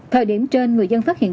thời điểm trên người dân phát hiện